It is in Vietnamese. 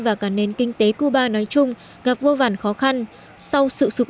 và cả nền kinh tế cuba nói chung các ngành khai mỏ nói riêng và cả nền kinh tế cuba nói chung